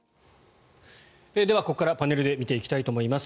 ではここからパネルで見ていきたいと思います。